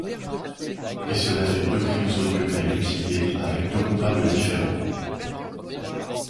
Et cela fait deux crimes odieux à élucider, avec deux coupables différents.